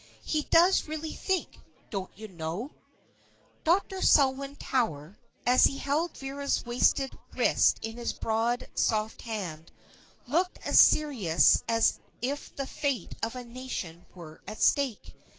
He does really think, don't you know." Dr. Selwyn Tower, as he held Vera's wasted wrist in his broad, soft hand, looked as serious as if the fate of a nation were at stake.